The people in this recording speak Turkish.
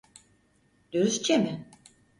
Dürüstçe mi?